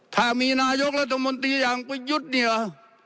ถามีนายกราธมนตรีอย่างปื้นยุทธ์นี่เหรอ